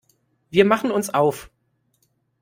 Wir machen uns auf.